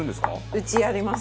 うちやります。